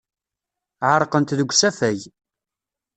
Ɛerqent deg usafag.